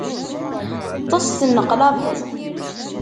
Ṭṭes, tenneqlabeḍ.